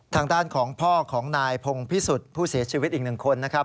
ทางด้านของพ่อของนายพงพิสุทธิ์ผู้เสียชีวิตอีกหนึ่งคนนะครับ